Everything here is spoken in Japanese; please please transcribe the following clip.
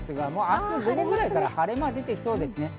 明日、午後くらいから晴れ間が出てきそうです。